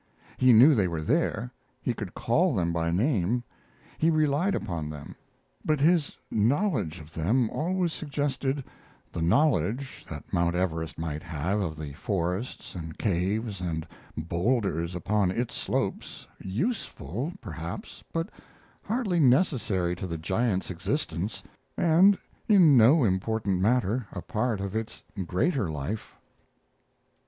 He knew they were there; he could call them by name; he relied upon them; but his knowledge of them always suggested the knowledge that Mount Everest might have of the forests and caves and boulders upon its slopes, useful, perhaps, but hardly necessary to the giant's existence, and in no important matter a part of its greater life.